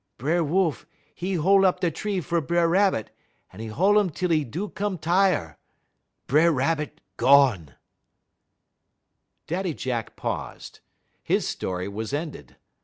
"B'er Wolf, 'e hol' up da tree fer B'er Rabbit; 'e hol' um till 'e do come tire'. B'er Rabbit gone!" Daddy Jack paused. His story was ended.